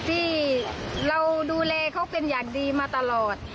ที่เราดูแลเขาเป็นอย่างดีมาตลอด